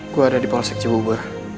gue ada di polsek cibubur